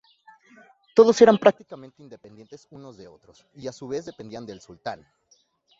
Todos eran prácticamente independientes unos de otros, y a su vez dependían del sultán.